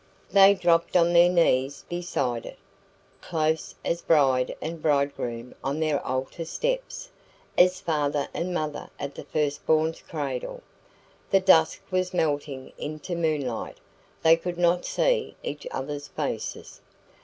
They dropped on their knees beside it, close as bride and bridegroom on altar steps, as father and mother at the firstborn's cradle. The dusk was melting into moonlight; they could not see each other's faces.